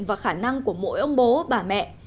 và khả năng của mỗi ông bố bà mẹ